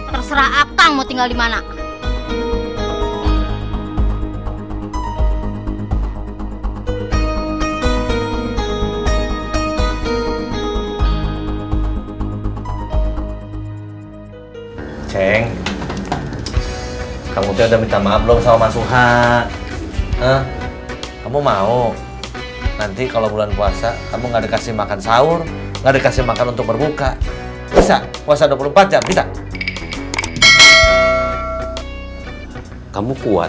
terserah abtang mau tinggal dimana